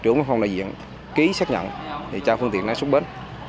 trưởng phòng đại diện ký xác nhận thì cho phương tiện này xuất bến